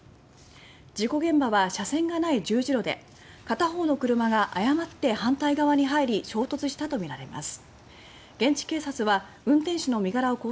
事故現場は車線がない十字路で片方の車が誤って反対側に入り衝突したとみられます。